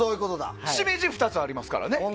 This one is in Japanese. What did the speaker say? シメジは２つありますからね。